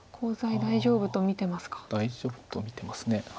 大丈夫と見てます。